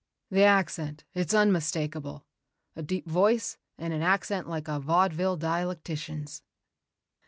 "The accent. It's unmistakable. A deep voice and an accent like a vaudeville dialectician's."